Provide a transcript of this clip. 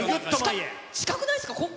近くないですか？